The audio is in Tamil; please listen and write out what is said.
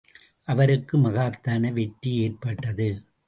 அவருக்கு மகத்தான வெற்றி ஏற்பட்டது.